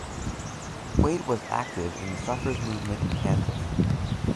Wait was active in the suffrage movement in Kansas.